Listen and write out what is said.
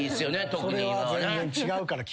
それは全然違うから。